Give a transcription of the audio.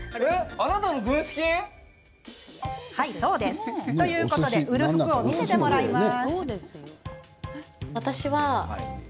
あなたの軍資金？ということで売る服を見せてもらいます。